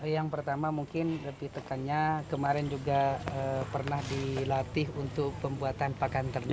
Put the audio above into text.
yang pertama mungkin lebih tekannya kemarin juga pernah dilatih untuk pembuatan pakan ternak